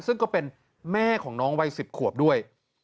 ซึ่งก็เป็นแม่ของน้องวัย๑๐ขวบด้วย